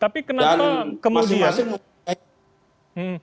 tapi kenapa kemudian